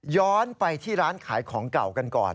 ย้อนไปที่ร้านขายของเก่ากันก่อน